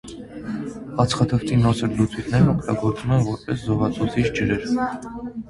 Ածխաթթվի նոսր լուծույթներն օգտագործվում են որպես զովացուցիչ ջրեր։